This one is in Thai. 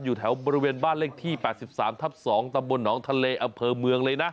อยู่แถวบริเวณบ้านเลขที่๘๓ทับ๒ตำบลหนองทะเลอำเภอเมืองเลยนะ